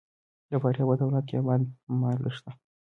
د فاریاب په دولت اباد کې مالګه شته.